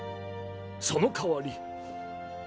その代わり。